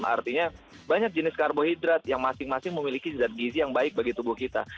artinya banyak jenis karbohidrat yang masing masing memiliki zat gizi yang baik bagi tubuh kita